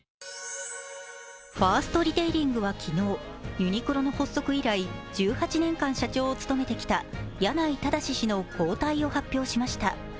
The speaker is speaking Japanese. ファーストリテイリングは昨日、ユニクロの発足以来、１８年間社長を務めてきた柳井正氏の交代を発表しました。